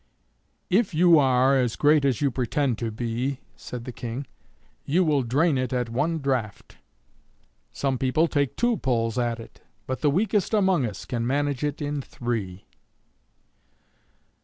"If you are as great as you pretend to be," said the King, "you will drain it at one draught. Some people take two pulls at it, but the weakest among us can manage it in three."